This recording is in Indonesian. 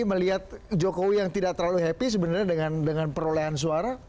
melihat jokowi yang tidak terlalu happy sebenarnya dengan perolehan suara